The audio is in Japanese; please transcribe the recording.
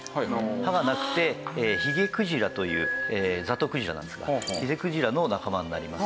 歯がなくてヒゲクジラというザトウクジラなんですがヒゲクジラの仲間になります。